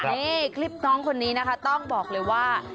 นี่คลิปน้องคนนี้นะคะต้องบอกเลยว่า